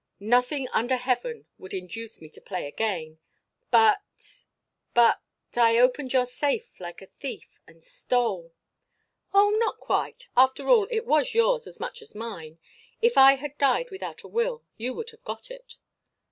"Nothing under heaven would induce me to play again. But but I opened your safe like a thief and stole " "Oh, not quite. After all it was yours as much as mine. If I had died without a will you would have got it.